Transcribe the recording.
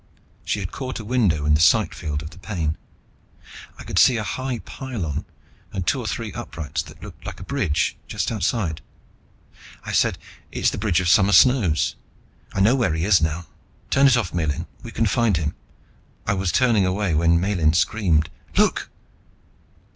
She had caught a window in the sight field of the pane. I could see a high pylon and two of three uprights that looked like a bridge, just outside. I said, "It's the Bridge of Summer Snows. I know where he is now. Turn it off, Miellyn, we can find him " I was turning away when Miellyn screamed. "Look!"